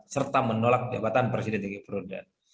serta menolak jabatan presiden di perundan